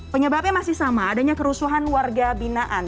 penyebabnya masih sama adanya kerusuhan warga binaan